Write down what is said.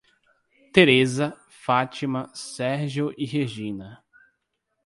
Tereza, Fátima, Sérgio e Regina